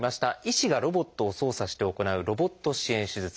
医師がロボットを操作して行う「ロボット支援手術」。